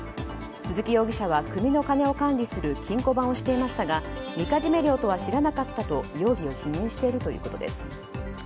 鈴木容疑者は組の金を管理する金庫番をしていましたがみかじめ料とは知らなかったと容疑を否認しているということです。